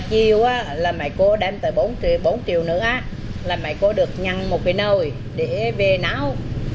cô đem tới bốn triệu nữa là mấy cô được nhăn một cái nồi để về náo